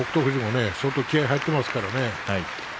富士も相当気合いが入っていますからね。